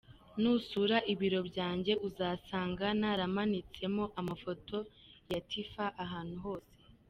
Nusura ibiro byanjye uzasanga naramanitsemo amafoto ya Tiffah ahantu hose.